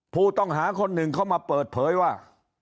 ผู้ต้องหาคนหนึ่งเขามาเปิดเผยว่า